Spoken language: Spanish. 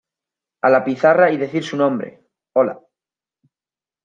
a la pizarra y decir su nombre. hola .